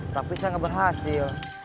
tapi saya gak berhasil